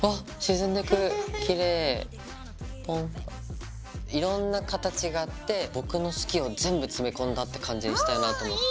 いろんな形があって僕の好きを全部詰め込んだって感じにしたいなと思って。